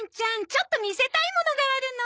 ちょっと見せたいものがあるの。